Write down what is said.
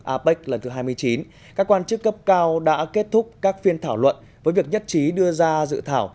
apec lần thứ hai mươi chín các quan chức cấp cao đã kết thúc các phiên thảo luận với việc nhất trí đưa ra dự thảo